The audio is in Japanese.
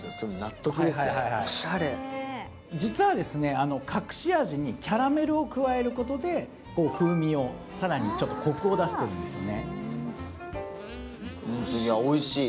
実はですね、隠し味にキャラメルを加えることで風味を更にちょっとコクを出しているんですよね。